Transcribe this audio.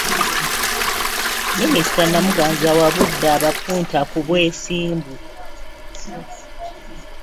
Minisita Namuganza awabudde abapunta ku bwesimbu.